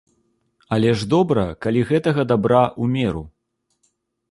Але ж добра, калі гэтага дабра ў меру.